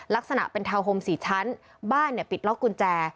ลักษณะเป็นทาวน์โฮม๔ชั้นบ้านปิดล็อกกุญแจ